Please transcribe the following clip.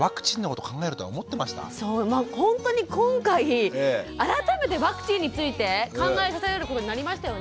そうまあほんとに今回改めてワクチンについて考えさせられることになりましたよね。